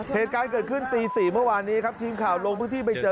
เหตุการณ์เกิดขึ้นตี๔เมื่อวานนี้ครับทีมข่าวลงพื้นที่ไปเจอ